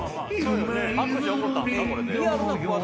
拍手起こったんすか？